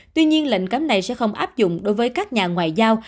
tuy nhiên lệnh cấm này sẽ không áp dụng đối với các nhà ngoại giao